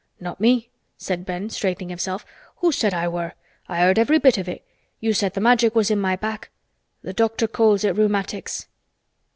"Not me," said Ben, straightening himself. "Who said I were? I heard every bit of it. You said th' Magic was in my back. Th' doctor calls it rheumatics."